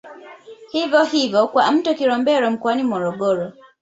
Hivyo hivyo kwa mto Kilombero mkoani Morogoro